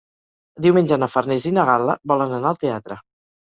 Diumenge na Farners i na Gal·la volen anar al teatre.